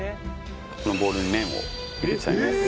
このボウルに麺を入れちゃいます